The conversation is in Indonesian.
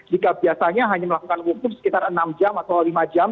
jika biasanya hanya melakukan hukum sekitar enam jam atau lima jam